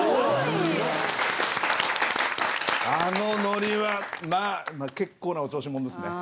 あのノリはまあ結構なお調子者ですね。